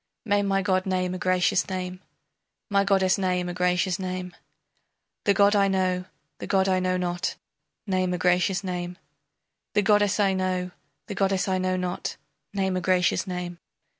May my god name a gracious name, My goddess name a gracious name, The god I know, the god I know not Name a gracious name, The goddess I know, the goddess I know not Name a gracious name!